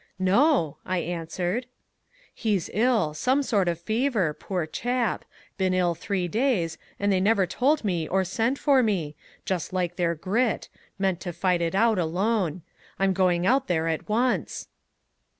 "No," I answered. "He's ill some sort of fever poor chap been ill three days, and they never told me or sent for me just like their grit meant to fight it out alone. I'm going out there at once."